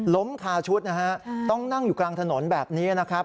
คาชุดนะฮะต้องนั่งอยู่กลางถนนแบบนี้นะครับ